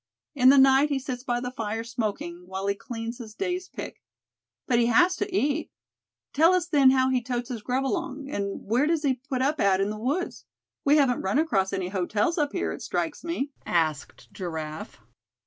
In the night he sits by the fire, smoking, while he cleans his day's pick." "But he has to eat; tell us then how he totes his grub along; and where does he put up at in the woods? We haven't run across any hotels up here, it strikes me?" asked Giraffe.